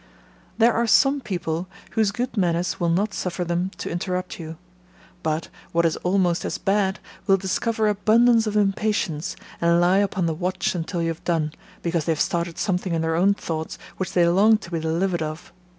There are some people, whose good manners will not suffer them to interrupt you; but, what is almost as bad, will discover abundance of impatience, and lie upon the watch until you have done, because they have started something in their own thoughts which they long to be delivered of.